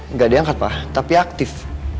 nggak diangkat pak tapi aktif